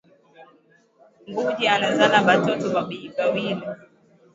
Mbuji anazala ba toto ba wili